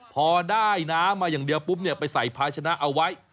พอได้น้ำมาอย่างเดียวปุ๊บเนี่ยไปใส่พาชนะเอาไว้